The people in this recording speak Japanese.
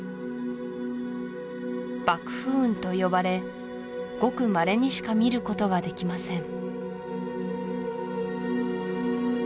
瀑布雲と呼ばれごくまれにしか見ることができません